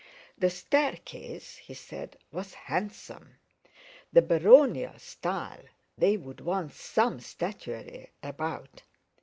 The staircase—he said—was handsome! the baronial style! They would want some statuary about!